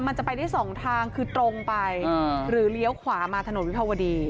มันจะไปได้สองทางคือตรงไปหรือเลี้ยวขวามาถนนวิภาวดี